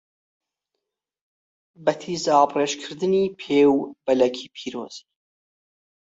بە تیزابڕێژکردنی پێ و بەلەکی پیرۆزی